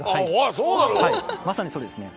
まさにそうですね。